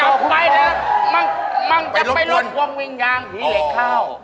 อ้าวจับไปแล้วมันจับไปรถวงวิงยางผีเหล็กข้าวอ๋อ